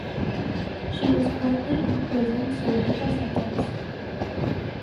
She is currently in prison serving her sentence.